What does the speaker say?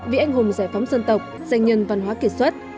vị anh hùng giải phóng dân tộc danh nhân văn hóa kỷ suất